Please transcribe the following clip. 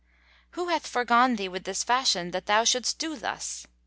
Who hath foregone thee with this fashion, that thou shouldst do thus?